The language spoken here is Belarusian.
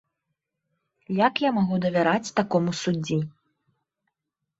Як я магу давяраць такому суддзі?